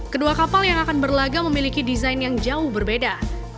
kedua kapal yang akan berlaga memiliki desain yang jauh berbeda